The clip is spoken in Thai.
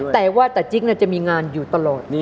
แต่จิ๊กออกจะมีงานอยู่ตลอด